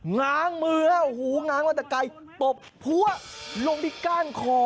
ง้างมือหูง้างมาแต่ไกลตบพัวลงที่ก้านคอ